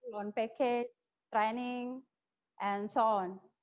penggiatan dan sebagainya